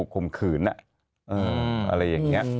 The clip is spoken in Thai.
แบบนี้